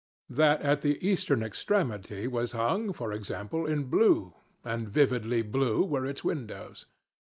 That at the eastern extremity was hung, for example, in blue—and vividly blue were its windows.